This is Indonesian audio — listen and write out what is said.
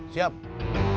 kita akan berbicara sama dia